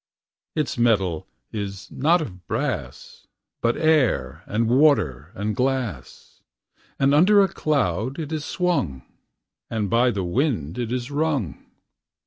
Ita metal is not of brass, Bnt air, and water, and grlass, And under ┬╗ doad it is swung. And by the wind it is niqg